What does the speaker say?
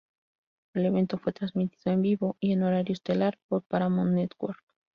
El evento fue transmitido en vivo y en horario estelar por Paramount Network.